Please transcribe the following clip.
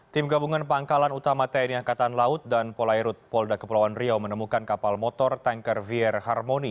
tim gabungan pangkalan utama tni angkatan laut dan polairut polda kepulauan riau menemukan kapal motor tanker vr harmony